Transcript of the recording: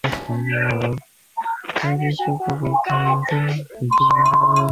小叶粗筒苣苔为苦苣苔科粗筒苣苔属下的一个种。